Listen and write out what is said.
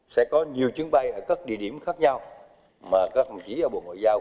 sẽ có nhiều chuyến bay ở các địa điểm khác nhau mà các hãng chỉ đạo bộ ngoại giao